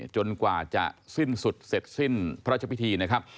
กว่าจะสิ้นสุดเสร็จสิ้นพระราชพิธีนะครับ